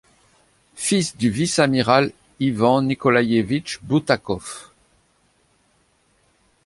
Fils du vice-amiral Ivan Nikolaïevitch Boutakov.